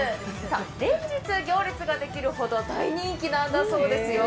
連日行列ができるほど大人気なんだそうですよ。